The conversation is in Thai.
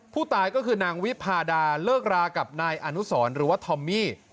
ผู้ตายก็คือนางวิพาดาเลิกรากับนายอนุสรหรือว่าทอมมี่